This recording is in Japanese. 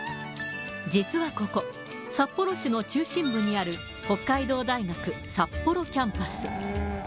実はここ、札幌市の中心部にある北海道大学札幌キャンパス。